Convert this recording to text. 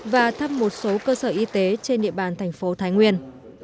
và thăm một số cơ sở y tế trên địa bàn thành phố thái nguyên